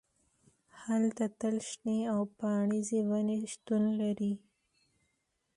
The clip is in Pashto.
هلته تل شنې او پاڼریزې ونې شتون لري